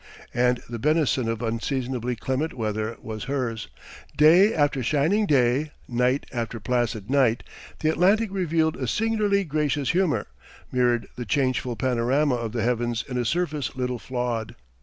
And the benison of unseasonably clement weather was hers; day after shining day, night after placid night, the Atlantic revealed a singularly gracious humour, mirrored the changeful panorama of the heavens in a surface little flawed.